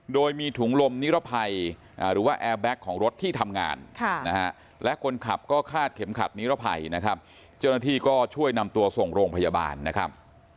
โดยมีถุงลมนิรภัยหรือว่าแอร์แบ็คของรถที่ทำงานและคนขับก็คาดเข็มขัดนิรภัยนะครับเจ้าหน้าที่ก็ช่วยนำตัวส่งโรงพยาบาลนะครับ